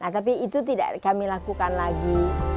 tapi itu tidak kami lakukan lagi